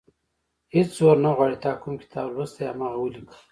هېڅ زور نه غواړي تا کوم کتاب لوستی، هماغه ولیکه.